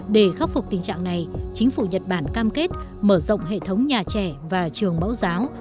để khắc phục tình trạng này chính phủ nhật bản cam kết mở rộng hệ thống nhà trẻ và trường mẫu giáo